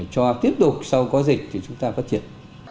cho tiếp tục sau có dịch thì chúng ta phát triển